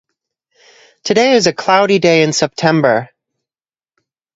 Today is a cloudy day in September.